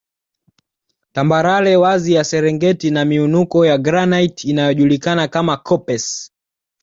Tambarare wazi ya Serengeti ina miinuko ya granite inayojulikana kama koppes